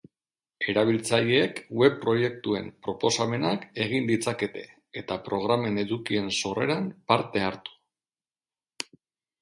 Erabiltzaileek web proiektuen proposamenak egin ditzakete eta programen edukien sorreran parte hartu.